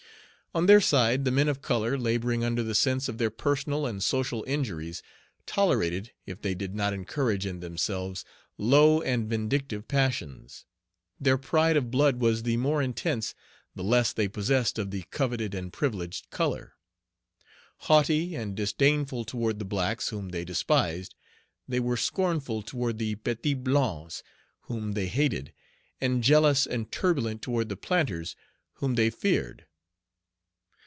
On their side, the men of color, laboring under the sense of their personal and social injuries, tolerated, if they did not encourage in themselves, low and vindictive passions. Their pride of blood was the more intense the less they possessed of the coveted and privileged color. Haughty and disdainful toward the blacks, whom they despised, they were scornful Page 33 toward the petits blancs, whom they hated, and jealous and turbulent toward the planters, whom they feared.